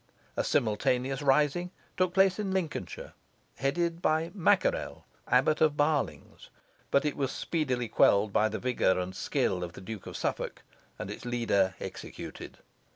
A simultaneous rising took place in Lincolnshire, headed by Makarel, Abbot of Barlings, but it was speedily quelled by the vigour and skill of the Duke of Suffolk, and its leader executed.